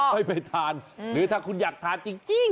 ไปทานหรือถ้าคุณอยากทานจริง